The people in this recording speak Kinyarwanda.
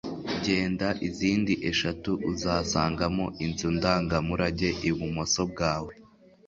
genda izindi eshatu uzasangamo inzu ndangamurage ibumoso bwawe